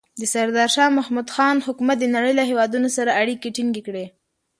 د سردار شاه محمود خان حکومت د نړۍ له هېوادونو سره اړیکې ټینګې کړې.